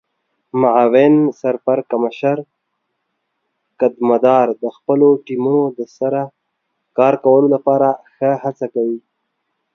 معاون سرپرکمشر قدمدار د خپلو ټیمونو د سره کار کولو لپاره ښه هڅه کوي.